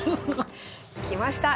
きました